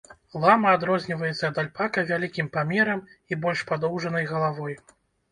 Лама адрозніваецца ад альпака вялікім памерам і больш падоўжанай галавой.